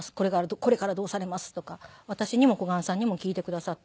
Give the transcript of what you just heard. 「これからどうされます？」とか私にも小雁さんにも聞いてくださって。